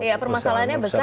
ya permasalahannya besar